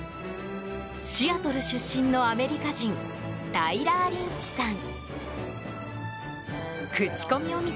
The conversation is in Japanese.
シアトル出身のアメリカ人タイラー・リンチさん。